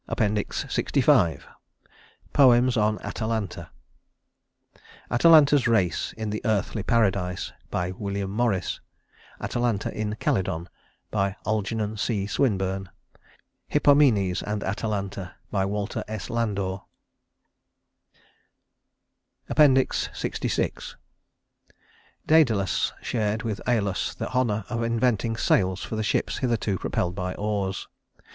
LXV Poems on Atalanta: Atalanta's Race in "The Earthly Paradise" WILLIAM MORRIS Atalanta in Calydon ALGERNON C. SWINBURNE Hippomenes and Atalanta WALTER S. LANDOR LXVI Dædalus shared with Æolus the honor of inventing sails for the ships hitherto propelled by oars.